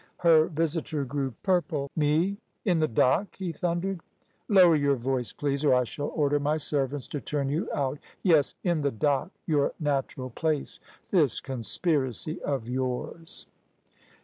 Her visitor grew purple. "Me in th' dock!" he thundered. "Lower your voice, please, or I shall order my servants to turn you out. Yes in the dock, your natural place. This conspiracy of yours."